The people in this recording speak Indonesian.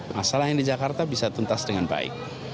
masalah yang di jakarta bisa tuntas dengan baik